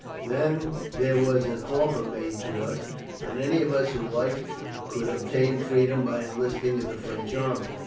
Then there was an offer made to us that any of us who liked could obtain freedom by enlisting in the French army.